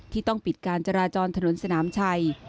ที่ต้องปิดการจราจรถนนสนามชัย